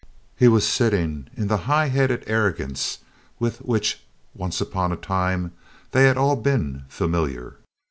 He was sitting in the high headed arrogance with which once upon a time they had all been familiar.